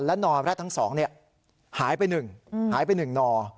และนอแรดทั้ง๒หายไป๑นอ